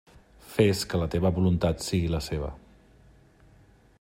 Fes que la teva voluntat sigui la seva.